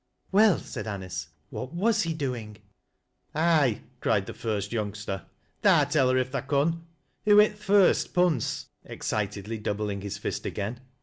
" Well," said Anice, " what was he doing ?"" Aye," cried the first youngster, " tha tell her if tha con. Who hit th' first punse ?" excitedly doubling hia list again.